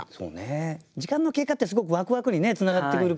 時間の経過ってすごくワクワクにつながってくるから。